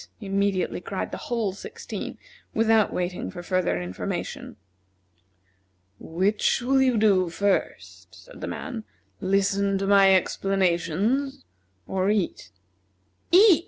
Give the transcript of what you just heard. immediately cried the whole sixteen, without waiting for further information. "Which will you do first," said the man, "listen to my explanations, or eat?" "Eat!"